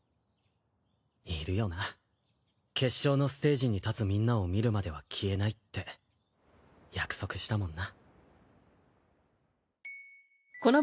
いるよな決勝のステージに立つみんなを見るまでは消えないって約束したもんな。